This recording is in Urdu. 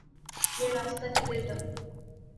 یہ راستہ کدھر جاتا ہے